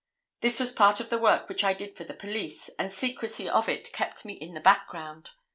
This was part of the work which I did for the police, and secrecy of it kept me in the background.